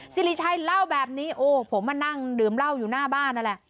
สิริชัยเล่าแบบนี้โอ้ผมมานั่งดื่มเหล้าอยู่หน้าบ้านนั่นแหละ